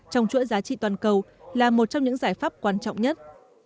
trong chuỗi giá trị toàn cầu là một trong những giải pháp quan trọng nhất